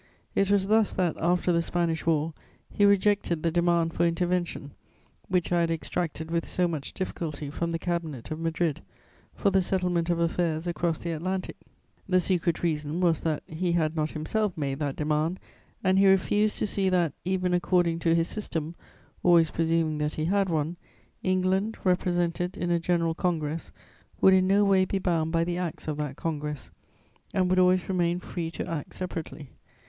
It was thus that, after the Spanish War, he rejected the demand for intervention, which I had extracted with so much difficulty from the Cabinet of Madrid, for the settlement of affairs across the Atlantic: the secret reason was that he had not himself made that demand, and he refused to see that, even according to his system (always presuming that he had one), England, represented in a general congress, would in no way be bound by the acts of that congress, and would always remain free to act separately.